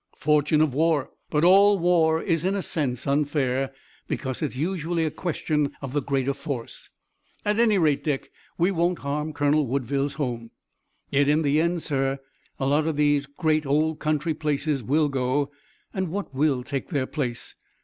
"Fortune of war. But all war is in a sense unfair, because it's usually a question of the greater force. At any rate, Dick, we won't harm Colonel Woodville's home." "Yet in the end, sir, a lot of these great old country places will go, and what will take their place?